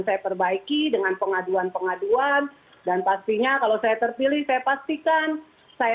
saya perbaiki dengan pengaduan pengaduan dan pastinya kalau saya terpilih saya pastikan saya